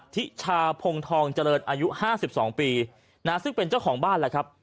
ที่ชาพงทองเจริญอายุห้าสิบสองปีนะฮะซึ่งเป็นเจ้าของบ้านแหละครับ